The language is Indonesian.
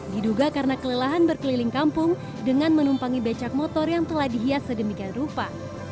diduga karena kelelahan berkeliling kampung dengan menumpangi becak motor yang telah dihias sedemikian rupa